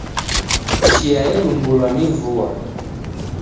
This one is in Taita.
Chia yedumbulwa ni vua